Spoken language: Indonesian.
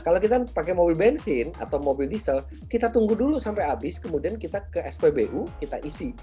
kalau kita pakai mobil bensin atau mobil diesel kita tunggu dulu sampai habis kemudian kita ke spbu kita isi